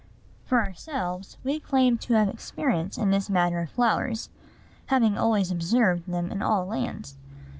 For ourselves, we claim to have experience in this matter of flowers; having always observed them in all lands.